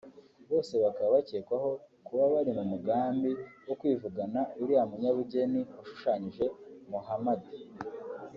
bose ngo bakaba bakekwaho kuba bari mu mugambi wo kwivugana uriya munyabugeni washushanyije Mohammad